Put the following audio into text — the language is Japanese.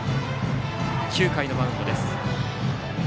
９回のマウンドです。